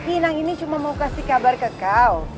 pinang ini cuma mau kasih kabar ke kau